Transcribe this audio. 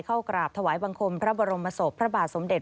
กราบถวายบังคมพระบรมศพพระบาทสมเด็จ